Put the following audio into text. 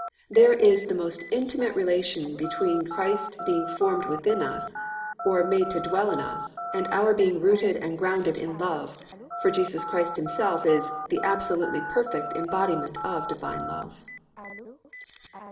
There is the most intimate relation between Christ being formed within us, or made to dwell in us, and our being rooted and grounded in love, for Jesus Christ Himself is the absolutely perfect embodiment of divine love.